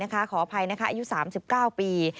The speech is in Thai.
ขออภัยนะคะอายุ๓๙ปี